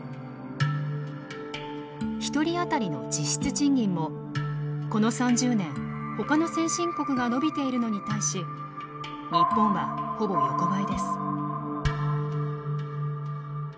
１人当たりの実質賃金もこの３０年ほかの先進国が伸びているのに対し日本はほぼ横ばいです。